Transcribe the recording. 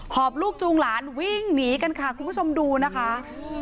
อบลูกจูงหลานวิ่งหนีกันค่ะคุณผู้ชมดูนะคะ